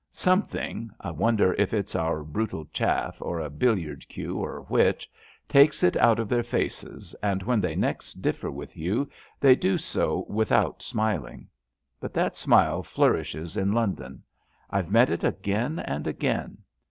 Something^I wonder if it's our brutal chaff, or a billiard cue, or which? — takes it out of their faces, and when they next differ with you they do so without smiling. But that smile flourishes in London. I've met it again and again.